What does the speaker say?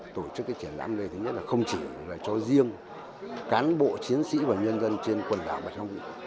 tổ chức triển lãm này không chỉ là cho riêng cán bộ chiến sĩ và nhân dân trên quần đảo bạch long vĩ